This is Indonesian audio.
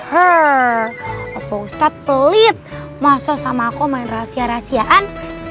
hah oh ustadz pelit masa sama aku main rahasia rahasiaan